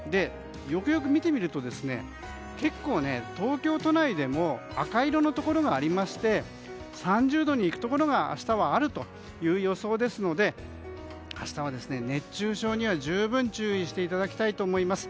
よくよく見てみると結構、東京都内でも赤色のところがありまして３０度にいくところが明日はあるという予想ですので明日は熱中症には十分注意していただきたいと思います。